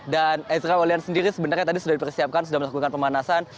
dan ezra walian sendiri sebenarnya tadi sudah dipersiapkan sudah melakukan pemanasan